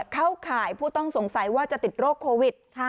เข้าข่ายผู้ต้องสงสัยว่าจะติดโรคโควิด